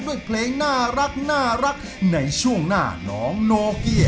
ด้วยเพลงน่ารักในช่วงหน้าน้องโนเกีย